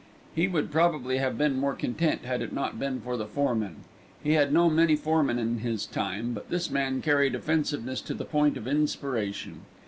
He would probably have been more content had it not been for the foreman. He had known many foremen in his time, but this man carried offensiveness to the point of inspiration.